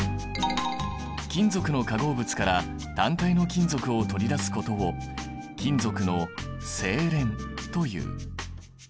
金属の化合物から単体の金属を取り出すことを金属の製錬という。